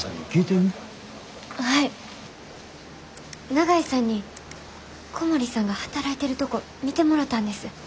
長井さんに小森さんが働いてるとこ見てもろたんです。